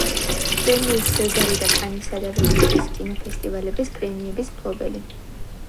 პრემიის სეზარი და კანისა და ვენეციის კინოფესტივალების პრემიების მფლობელი.